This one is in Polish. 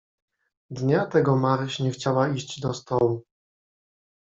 "Dnia tego Maryś nie chciała iść do stołu."